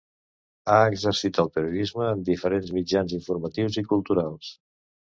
Ha exercit el periodisme en diferents mitjans informatius i culturals.